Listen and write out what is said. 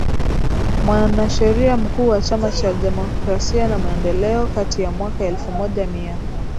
mwanasheria mkuu wa Chama cha demokrasia na maendeleoKati ya mwaka elfu moja mia